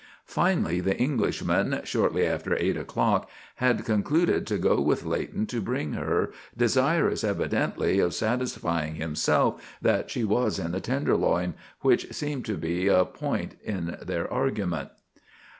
Finally the Englishman, shortly after eight o'clock, had concluded to go with Leighton to bring her, desirous evidently of satisfying himself that she was in the Tenderloin, which seemed to be a point in their argument.